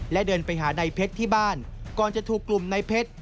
และเดินไปหานายเพชรที่บ้านก่อนจะถูกกลุ่มนายเพชร